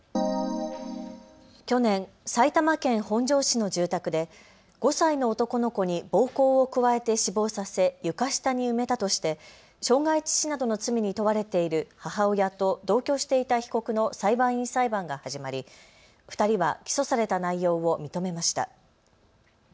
去年、埼玉県本庄市の住宅で５歳の男の子に暴行を加えて死亡させ床下に埋めたとして傷害致死などの罪に問われている母親と同居していた被告の裁判員裁判が始まり、２人は起訴された内容を認めました。